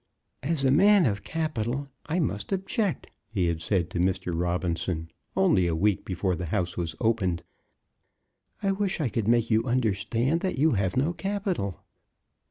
"As a man of capital, I must object," he had said to Mr. Robinson, only a week before the house was opened. "I wish I could make you understand that you have no capital."